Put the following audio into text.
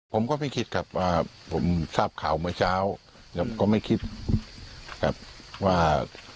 ผมก็ไม่คิดครับว่าผมทราบข่าวเมื่อเช้าแล้วก็ไม่คิดครับว่า